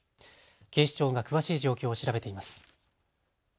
警視庁が詳しい状況を調べています。